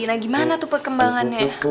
nah gimana tuh perkembangannya